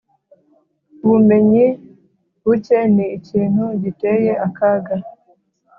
ubumenyi buke ni ikintu giteye akaga .